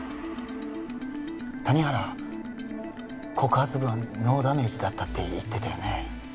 谷原告発文ノーダメージだったって言ってたよね？